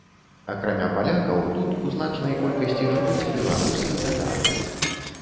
Акрамя палякаў, тут у значнай колькасці жывуць беларусы і татары.